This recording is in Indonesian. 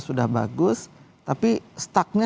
sudah bagus tapi stuck nya